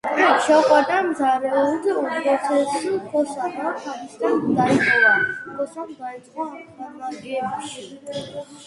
შეუყვარდა მზარეულთ-უხუცესს ქოსა და თავისთან დაიტოვა. ქოსამ დაიწყო ამხანაგებში